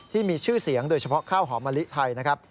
ที่มีชื่อเสียงโดยเฉพาะข้าวหอมมะลิไทยนะครับ